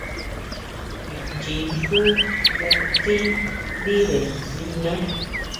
Kuichi xú nga stsin ndire niná.